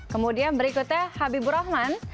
kemudian berikutnya habibur rahman